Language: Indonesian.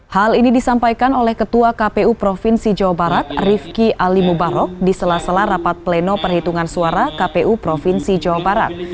hal ini disampaikan oleh ketua kpu provinsi jawa barat rifki ali mubarok di sela sela rapat pleno perhitungan suara kpu provinsi jawa barat